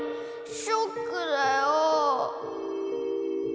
ショックだよ。